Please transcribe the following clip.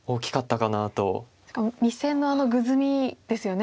しかも２線のあのグズミですよね。